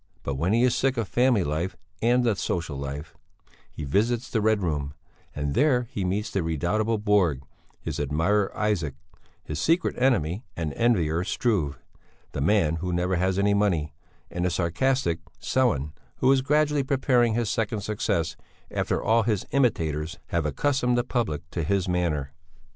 But when he is sick of family life and the social life, he visits the Red Room, and there he meets the redoubtable Borg, his admirer Isaac, his secret enemy and envier Struve, the man who never has any money, and the sarcastic Sellén, who is gradually preparing his second success, after all his imitators have accustomed the public to his manner.